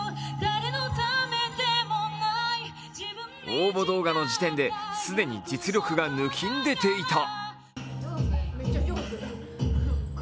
応募動画の時点で既に実力が抜きん出ていた。